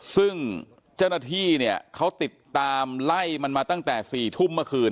ซึ่งเจ้าหน้าที่เนี่ยเขาติดตามไล่มันมาตั้งแต่๔ทุ่มเมื่อคืน